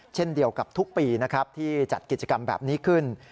เช่นเดียวกับทุกปีนะครับที่จัดกิจกรรมแบบนี้ขึ้น